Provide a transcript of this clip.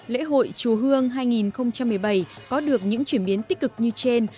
lễ hội chùa hương hai nghìn một mươi bảy có được những chuyển biến tích cực như trên